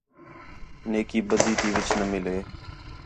نیکی، بدی تی وِچ نہ مِلے